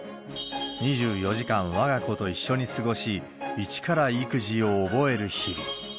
２４時間わが子と一緒に過ごし、一から育児を覚える日々。